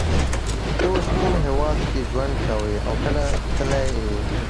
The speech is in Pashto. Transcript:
ته اوس کوم هیواد کی ژوند کوی او کله تللی یی